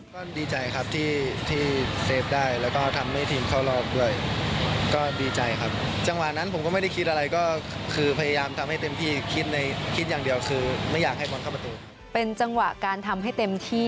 ก็ดีใจครับที่เซฟได้แล้วก็ทำให้ทีมเข้ารอดด้วย